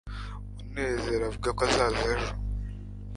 munezero avuga ko azaza ejo